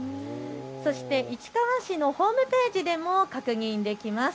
そして市川市のホームページでも確認できます。